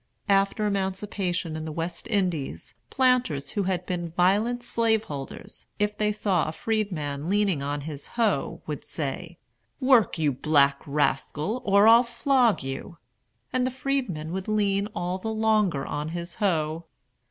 After emancipation in the West Indies, planters who had been violent slaveholders, if they saw a freedman leaning on his hoe, would say, "Work, you black rascal, or I'll flog you"; and the freedman would lean all the longer on his hoe.